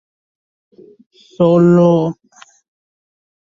Solamente presente en coches a combustión.